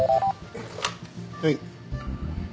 はい。